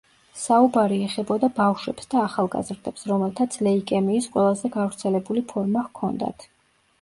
საუბარი ეხებოდა ბავშვებს და ახალგაზრდებს, რომელთაც ლეიკემიის ყველაზე გავრცელებული ფორმა ჰქონდათ.